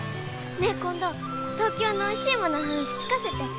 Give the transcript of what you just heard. ねえ今度東京のおいしいものの話聞かせて。